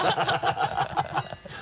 ハハハ